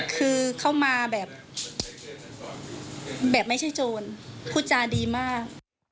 คือเข้ามาแบบแบบไม่ใช่โจรผู้จารย์ดีมาก